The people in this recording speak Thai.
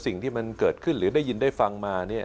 สิ่งที่มันเกิดขึ้นหรือได้ยินได้ฟังมาเนี่ย